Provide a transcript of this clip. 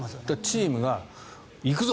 チームが行くぞ！